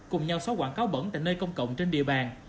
cùng nhau xóa quảng cáo bẩn tại nơi công cộng trên địa bàn